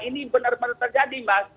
ini benar benar terjadi mas